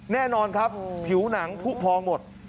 แน่นอนครับผิวหนังผู้พองหมด